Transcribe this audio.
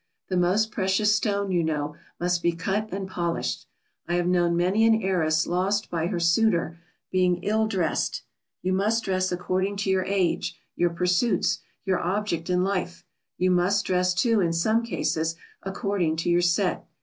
The most precious stone, you know, must be cut and polished. I have known many an heiress lost by her suitor being ill dressed. You must dress according to your age, your pursuits, your object in life; you must dress, too, in some cases, according to your set.